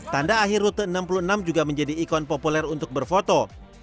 tanda akhir rute enam puluh enam juga menjadi ikon populer untuk berfoto